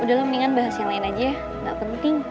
udah lah mendingan bahas yang lain aja gak penting